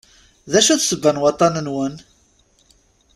D acu i d ssebba n waṭṭan-nwen?